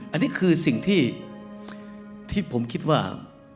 อันนี้คือสิ่งที่ผมคิดว่า